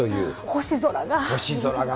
星空が！